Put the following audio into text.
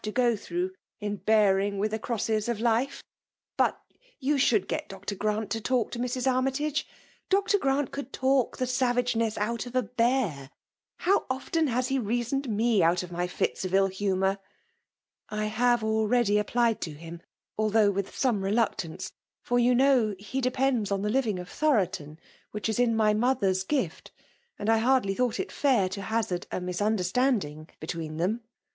to go ifarough, in bearing with the crosses eCilife. Sut you dould get Dr. Grant to talk to Mrs. Armytage. Br. Grant could tslk the santgcneas out of a bear i How often has he reasoned me out of my fits of lU bomour l" 86 FEMA.LB DOHiKATlOK. *' I have already applied to him, although with some reluctance; for you know he de pends on the living of Thoroton, which is in my mother's gift ; and I hardly thought it fair to hazard a misunderstanding between them."